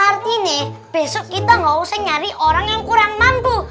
artinya besok kita nggak usah nyari orang yang kurang mampu